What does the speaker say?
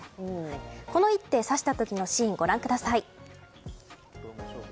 この一手を指した時のシーンご覧ください。